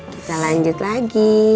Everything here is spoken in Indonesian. kita lanjut lagi